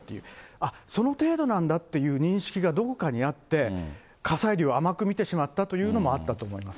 あっ、その程度なんだっていう認識がどこかにあって、火砕流を甘く見てしまったというのもあったと思います。